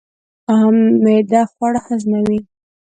معده خواړه هضموي